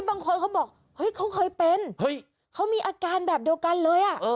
บางคนเขาบอกเฮ้ยเขาเคยเป็นเฮ้ยเขามีอาการแบบเดียวกันเลยอ่ะ